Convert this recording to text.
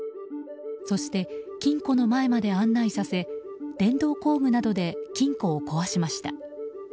そして、金庫の前まで案内させ電動工具などで金庫を壊しました。